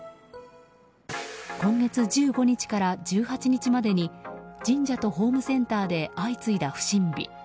今月１５日から１８日までに神社とホームセンターで相次いだ不審火。